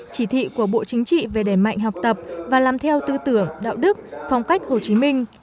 chỉ thị của bộ chính trị về đẩy mạnh học tập và làm theo tư tưởng đạo đức phong cách hồ chí minh